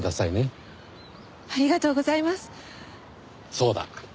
そうだ。